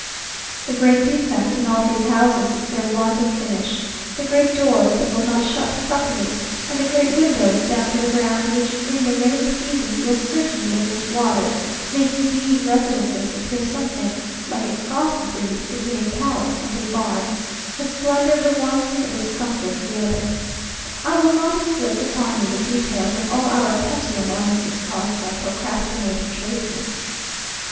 The great defect in all these houses is their want of finish; the great doors that will not shut properly, and the great windows down to the ground, which in the rainy season will certainly admit water, making these residences appear something like a cross breed between a palace and a barn; the splendour of the one, the discomfort of the other. I will not inflict upon you the details of all our petty annoyances caused by procrastinating tradesmen.